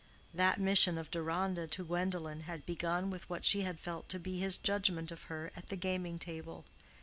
That mission of Deronda to Gwendolen had begun with what she had felt to be his judgment of her at the gaming table.